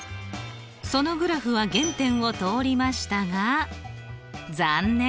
そのグラフは原点を通りましたが残念。